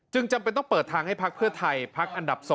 จำเป็นต้องเปิดทางให้พักเพื่อไทยพักอันดับ๒